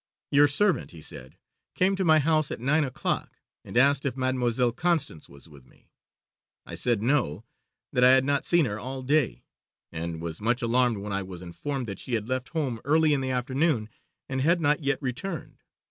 "Your servant," he said, "came to my house at nine o'clock and asked if Mademoiselle Constance was with me. I said 'No,' that I had not seen her all day, and was much alarmed when I was informed that she had left home early in the afternoon and had not yet returned.